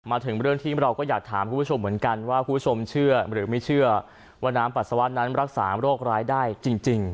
มาถึงเรื่องที่เราก็อยากถามคุณผู้ชมเหมือนกันว่าคุณผู้ชมเชื่อหรือไม่เชื่อว่าน้ำปัสสาวะนั้นรักษาโรคร้ายได้จริง